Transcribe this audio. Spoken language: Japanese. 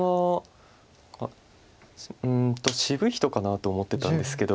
渋い人かなと思ってたんですけど。